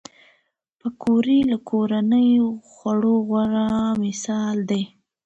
پکورې له کورني خوړو غوره مثال دی